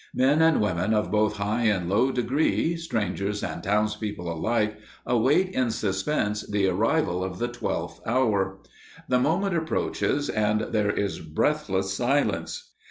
Men and women of both high and low degree, strangers and townspeople alike, await in suspense the arrival of the twelfth hour. The moment approaches, and there is breathless silence.